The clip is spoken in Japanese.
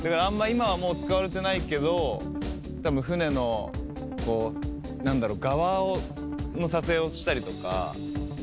今はもう使われてないけど多分船の何だろう側の撮影をしたりとか。